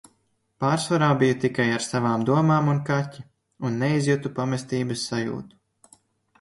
Pārsvarā biju tikai ar savām domām un kaķi. Un neizjutu pamestības sajūtu.